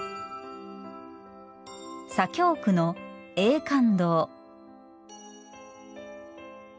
左京区の永観堂。